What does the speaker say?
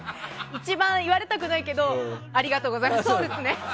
一番言われたくないけどありがとうございます。